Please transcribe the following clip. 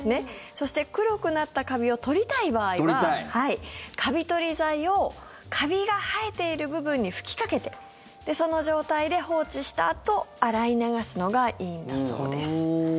そして黒くなったカビを取りたい場合はカビ取り剤を、カビが生えている部分に吹きかけてその状態で放置したあと洗い流すのがいいんだそうです。